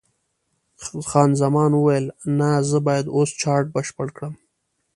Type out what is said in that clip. خان زمان وویل: نه، زه باید اوس چارټ بشپړ کړم.